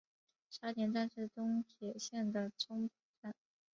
沙田站是东铁线的中途站。